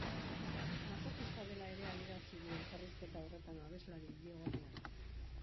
Masokista dela ere adierazi du elkarrizketa horretan abeslari ilegorriak.